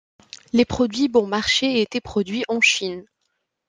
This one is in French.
Les produits bon marché étaient produits en Chine.